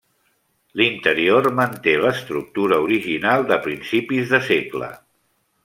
L'interior manté l'estructura original de principis de segle.